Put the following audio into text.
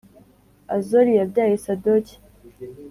Azori yabyaye Sadoki